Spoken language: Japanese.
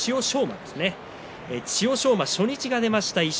千代翔馬、初日が出ました。